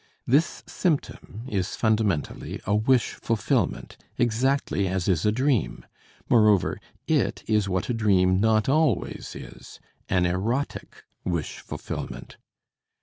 This symptom is fundamentally a wish fulfillment, exactly as is a dream; moreover, it is what a dream not always is, an erotic wish fulfillment.